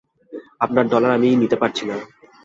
আপনার ডলার আমি নিতে পারছি না।